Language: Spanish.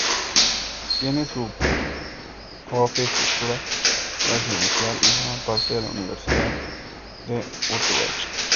Tiene su propia estructura residencial y forma parte de la Universidad de Utrecht.